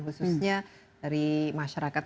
khususnya dari masyarakat